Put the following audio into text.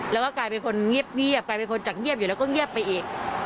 แล้วก็กลายเป็นคนเงียบกลายเป็นคนจากเงียบอยู่แล้วก็เงียบไปอีก